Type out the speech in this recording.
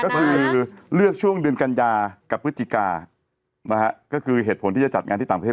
ก็คือเลือกช่วงเดือนกันยากับพฤศจิกานะฮะก็คือเหตุผลที่จะจัดงานที่ต่างประเทศ